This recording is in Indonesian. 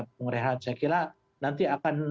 pengurahan saya kira nanti akan